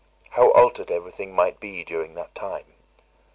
How altered every thing might be during that time!